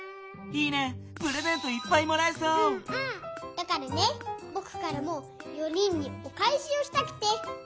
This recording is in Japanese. だからねぼくからも４人におかえしをしたくて！